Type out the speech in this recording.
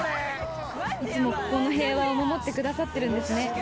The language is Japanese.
いつもこの平和を守ってくださってるんですね。